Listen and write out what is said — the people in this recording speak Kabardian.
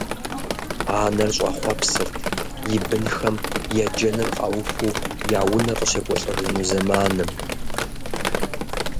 Анэр щӏэхъуэпсырт и бынхэм еджэныр къаухыу я унэ къыщекӏуэлӏэжыну зэманым.